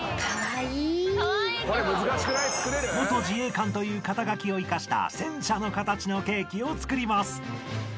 ［元自衛官という肩書を生かした戦車の形のケーキを作ります］